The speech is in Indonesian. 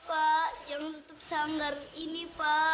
pak jangan tutup sanggar ini pak